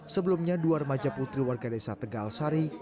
sebelumnya dua remaja putri warga desa tegal sari